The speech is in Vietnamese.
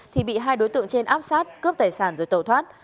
thì bị hai đối tượng trên áp sát cướp tài sản rồi tẩu thoát